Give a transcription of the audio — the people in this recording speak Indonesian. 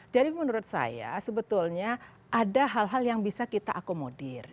jadi menurut saya sebetulnya ada hal hal yang bisa kita akomodir